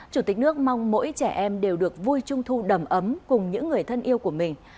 chủ tịch nước mong mỗi trẻ em đều được vui trung thu đầm ấm cùng những người thân yêu của mình